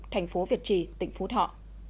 thành phố việt trì tỉnh phú thọ